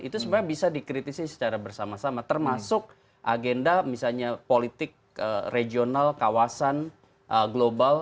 itu sebenarnya bisa dikritisi secara bersama sama termasuk agenda misalnya politik regional kawasan global